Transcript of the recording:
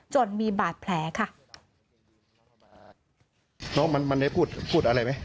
จนมีบาดแผลค่ะน้องมันมันได้พูดพูดอะไรไหม